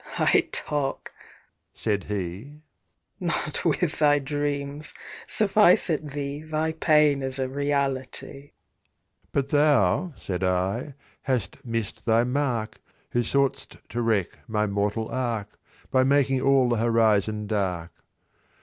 "I talk," said he, "Not with thy dreams. Suffice it thee Thy pain is a reality." "But thou," said I, "hast miss'd thy mark, Who sought'st to wreck my mortal ark, By making all the horizon dark.